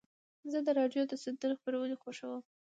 زه د راډیو د سندرو خپرونې خوښوم.